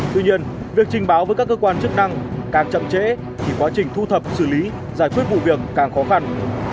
tuy nhiên việc trình báo với các cơ quan chức năng càng chậm trễ thì quá trình thu thập xử lý giải quyết vụ việc càng khó khăn